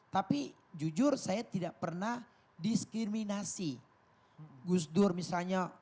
tapi jujur saya tidak pernah diskriminasi gus dur misalnya